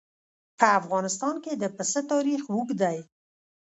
په افغانستان کې د پسه تاریخ اوږد دی.